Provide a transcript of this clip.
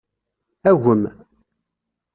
Agem.